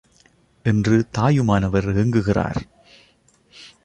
என்று தாயுமானவர் ஏங்குகிறார்.